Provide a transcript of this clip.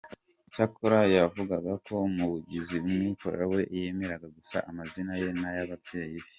Cyakora yavugaga ko mu bigize umwirondoro we, yemera gusa amazina ye n'ay'ababyeyi.